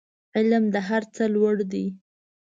علم د هر څه لوړ دی